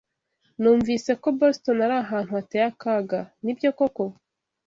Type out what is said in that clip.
Numvise ko Boston ari ahantu hateye akaga. Nibyo koko?